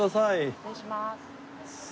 失礼します。